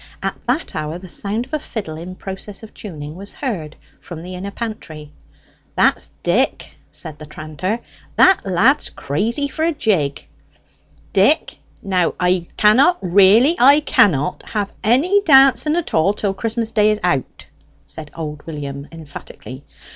At that hour the sound of a fiddle in process of tuning was heard from the inner pantry. "That's Dick," said the tranter. "That lad's crazy for a jig." "Dick! Now I cannot really, I cannot have any dancing at all till Christmas day is out," said old William emphatically.